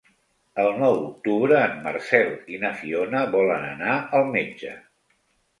El nou d'octubre en Marcel i na Fiona volen anar al metge.